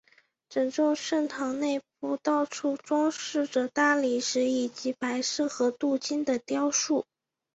整座圣堂内部到处装饰着大理石以及白色和镀金的雕塑。